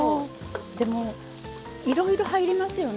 でもいろいろ入りますよね